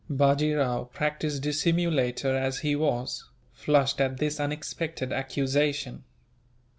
Bajee Rao, practised dissimulator as he was, flushed at this unexpected accusation.